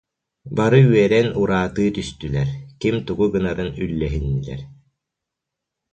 Бары үөрэн ураатыы түстүлэр, ким тугу гынарын үллэһиннилэр